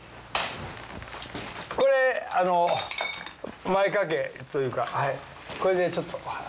これ前掛けというかこれでちょっと。